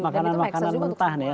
makanan makanan mentah ya